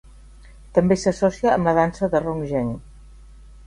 També s'associa amb la dansa de Ronggeng.